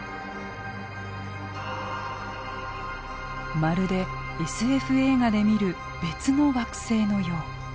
まるでＳＦ映画で見る別の惑星のよう。